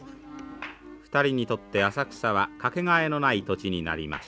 ２人にとって浅草は掛けがえのない土地になりました。